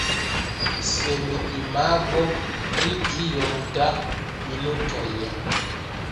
Sen imago pri kiom da minutoj?